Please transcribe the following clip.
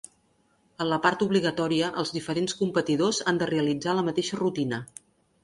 En la part obligatòria, els diferents competidors han de realitzar la mateixa rutina.